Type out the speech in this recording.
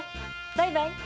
バイバイ。